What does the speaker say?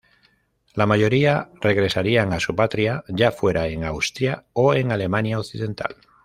La mayoría regresarían a su ""patria"" ya fuera en Austria o en Alemania Occidental.